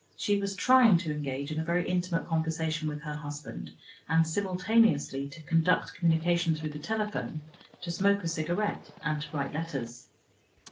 She was trying to engage in a very intimate conversation with her husband, and simultaneously to conduct communication through the telephone, to smoke a cigarette, and to write letters.